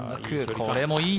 これもいい。